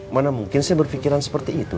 mana mungkin saya berpikiran seperti itu